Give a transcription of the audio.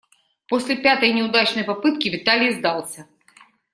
После пятой неудачной попытки Виталий сдался.